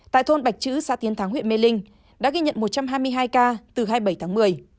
tại thôn bạch chữ xã tiến thắng huyện mê linh đã ghi nhận một trăm hai mươi hai ca từ hai mươi bảy tháng một mươi